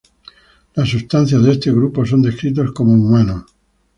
Las sustancias de este grupo son descritos como "humanos".